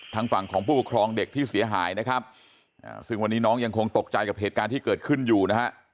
ทางฝั่งของผู้ปกครองเด็กที่เสียหายนะครับซึ่งวันนี้น้องยังคงตกใจกับเหตุการณ์ที่เกิดขึ้นอยู่นะฮะ